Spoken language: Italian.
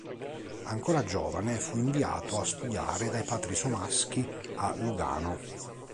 Ancora giovane fu inviato a studiare dai padri Somaschi a Lugano.